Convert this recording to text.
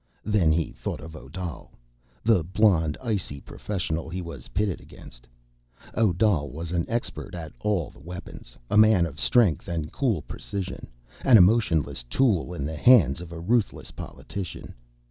Then he thought of Odal, the blond, icy professional he was pitted against. Odal was an expert at all the weapons, a man of strength and cool precision, an emotionless tool in the hands of a ruthless politician.